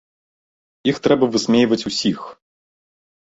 Іх трэба высмейваць усіх.